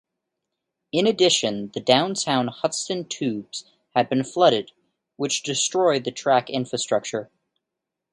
In addition, the downtown Hudson tubes had been flooded, which destroyed the track infrastructure.